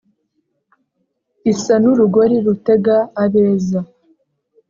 isa n'urugori rutega abeza